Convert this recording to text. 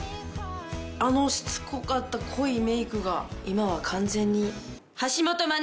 あのしつこかった濃いメイクが今は完全に。